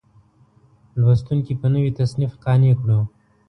لوستونکي په نوي تصنیف قانع کړو.